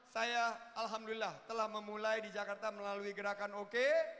saya alhamdulillah telah memulai di jakarta melalui gerakan oke